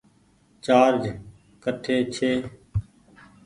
چآرج ڪٺي ڇي ۔